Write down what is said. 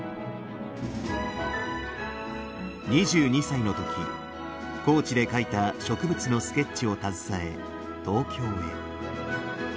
２２歳の時高知で描いた植物のスケッチを携え東京へ。